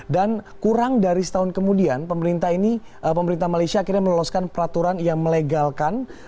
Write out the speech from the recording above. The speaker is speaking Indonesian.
dan kurang dari setahun kemudian pemerintah ini pemerintah malaysia akhirnya meloloskan peraturan yang melegalkan